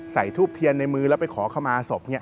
ทูบเทียนในมือแล้วไปขอขมาศพ